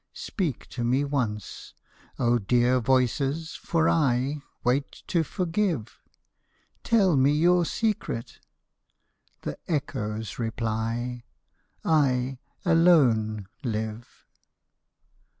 Speak to me once, O dear voices, for I Wait to forgive ! Tell me your secret : the echoes reply — I alone live.